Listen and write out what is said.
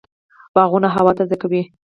باغونه هوا تازه کوي